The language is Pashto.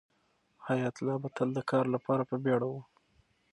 حیات الله به تل د کار لپاره په بیړه و.